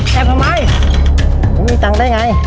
แต่ทำไมผมมีตังค์ได้ไง